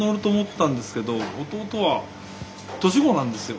年子なんですよ。